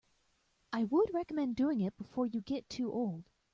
I would recommend doing it before you get too old.